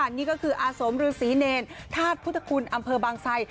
นี่ก็คืออาสมฤษีเนรธาตุพุทธคุณอำเภอบางไซ